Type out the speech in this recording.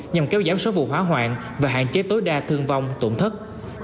nhằm kéo giảm số vụ hóa hoạn và hạn chế tối đa thương vong tụng thất